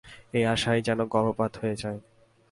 এই আশায় যেন গর্ভপাত হয়ে যায়।